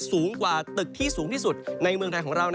สูงกว่าตึกที่สูงที่สุดในเมืองไทยของเรา